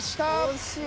惜しい！